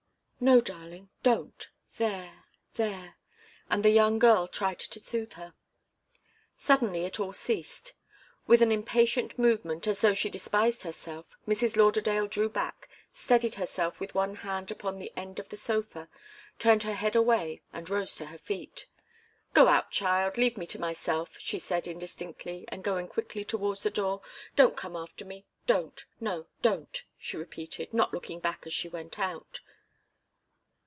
"No, darling don't! There, there!" And the young girl tried to soothe her. Suddenly it all ceased. With an impatient movement, as though she despised herself, Mrs. Lauderdale drew back, steadied herself with one hand upon the end of the sofa, turned her head away and rose to her feet. "Go out, child leave me to myself!" she said indistinctly, and going quickly towards the door. "Don't come after me don't no, don't," she repeated, not looking back, as she went out.